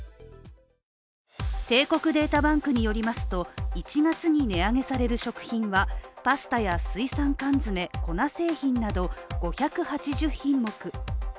帝国データバンクによりますと１月に値上げされる食品はパスタや水産缶詰、粉製品など５８０品目。